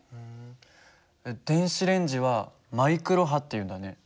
電子レンジはマイクロ波っていうんだね。